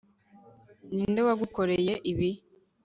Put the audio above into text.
ninde wagukoreye ibi